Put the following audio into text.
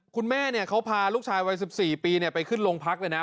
คุณแม่เนี่ยเค้าพาลูกชายวัย๑๔ปีเนี่ยไปขึ้นโรงพักษณ์เนี่ยนะ